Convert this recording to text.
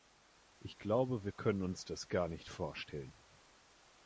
Ich glaube, wir können uns das gar nicht vorstellen.